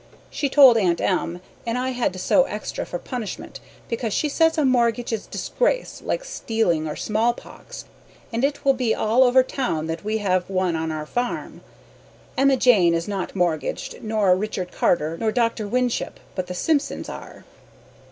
She told Aunt M. and I had to sew extra for punishment because she says a morgage is disgrace like stealing or smallpox and it will be all over town that we have one on our farm. Emma Jane is not morgaged nor Richard Carter nor Dr. Winship but the Simpsons are.